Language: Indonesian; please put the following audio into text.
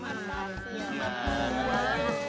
makasih ya emak